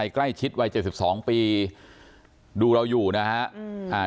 ใกล้ชิดวัยเจ็ดสิบสองปีดูเราอยู่นะฮะอืมอ่า